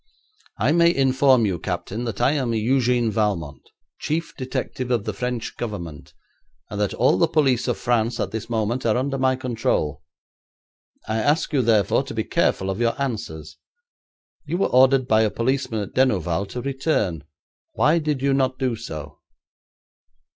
'I may inform you, captain, that I am Eugène Valmont, chief detective of the French Government, and that all the police of France at this moment are under my control. I ask you, therefore, to be careful of your answers. You were ordered by a policeman at Denouval to return. Why did you not do so?'